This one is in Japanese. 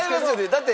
だって。